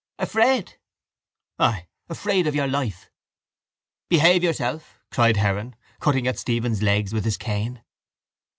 —Afraid? —Ay. Afraid of your life. —Behave yourself! cried Heron, cutting at Stephen's legs with his cane.